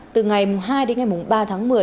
từ ngày hai đến ngày ba tháng một mươi